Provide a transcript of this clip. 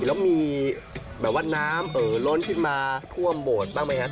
แล้วมีแบบว่าน้ำเอ่อล้นขึ้นมาท่วมโบสถ์บ้างไหมครับ